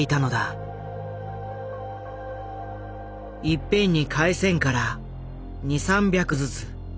「いっぺんに返せんから２３百ずつ」。